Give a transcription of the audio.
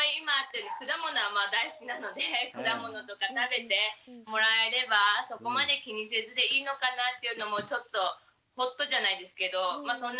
果物は大好きなので果物とか食べてもらえればそこまで気にせずでいいのかなっていうのもちょっとホッとじゃないですけどまあ